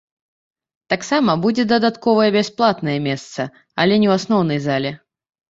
Таксама будзе дадатковае бясплатнае месца, але не ў асноўнай зале.